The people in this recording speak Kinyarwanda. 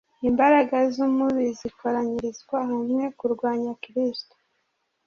Imbaraga z'umubi zikoranyirizwa hamwe kurwanya Kristo.